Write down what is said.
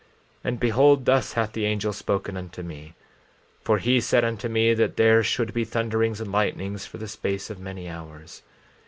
14:26 And behold, thus hath the angel spoken unto me; for he said unto me that there should be thunderings and lightnings for the space of many hours.